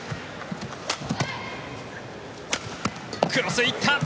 クロス、行った。